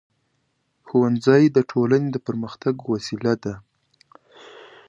ښوونځی د ټولنې د پرمختګ وسیله ده.